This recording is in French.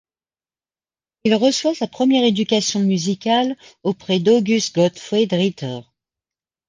Il reçoit sa première éducation musicale auprès d'August Gottfried Ritter.